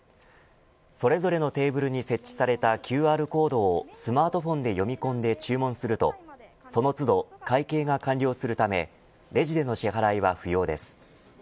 それぞれのテーブルに設置されたＱＲコードをスマートフォンで読み込んで注文するとその都度会計が完了するためレジでの支払いは不要です。